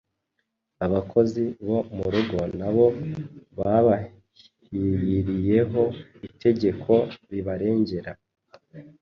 Abakozi bo murugo nabo babahyiriyeho itegeko ribarengera